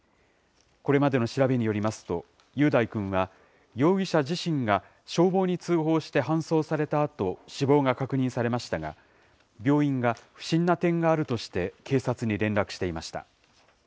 これまでの調べによりますと、雄大君は、容疑者自身が消防に通報して搬送されたあと死亡が確認されましたが、病院が不審な点があるとして、警察に連絡していました。